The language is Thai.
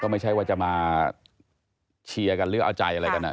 ไม่ใช่ว่าจะมาเชียร์กันหรือเอาใจอะไรกัน